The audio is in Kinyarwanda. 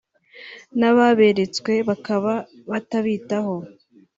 n’ababeretswe bakaba batabitaho